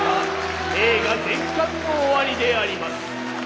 映画全巻の終わりであります。